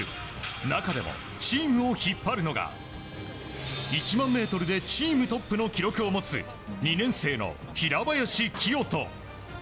中でも、チームを引っ張るのが１００００ｍでチームトップの記録を持つ２年生の平林清澄。